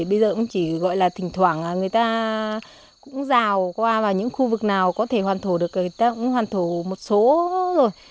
bây giờ cũng chỉ gọi là thỉnh thoảng người ta cũng rào qua và những khu vực nào có thể hoàn thổ được người ta cũng hoàn thổ một số rồi